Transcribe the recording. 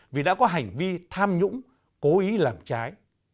vì đã có hành vi tham nhũng cố ý làm trái